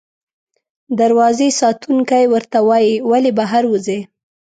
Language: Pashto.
دروازې ساتونکی ورته وایي، ولې بهر وځې؟